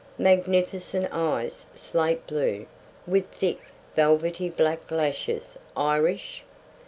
Magnificent eyes slate blue, with thick, velvety black lashes. Irish.